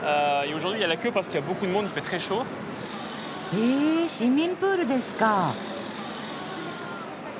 へえ市民プールですか。